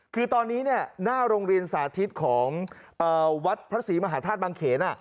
คือตอนนี้หน้าโรงเรียนสาธิตของวัดพระศรีมหาธาตุบางเขน